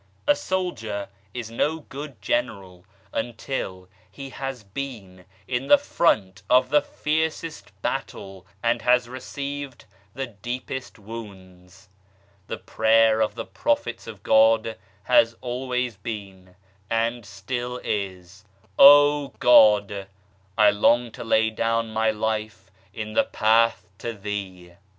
A soldier is no good general until he has been in the front of the fiercest battle and has received the deepest wounds. The prayer of the Prophets of God has always been, and still is : Oh, God I I long to lay down my life in the Path to Thee